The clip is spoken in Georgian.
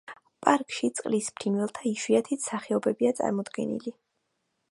პარკში წყლის ფრინველთა იშვიათი სახეობებია წარმოდგენილი.